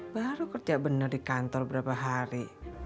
baru kerja benar di kantor berapa hari